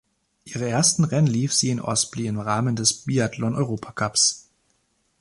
Ihre ersten Rennen lief sie in Osrblie im Rahmen des Biathlon-Europacups.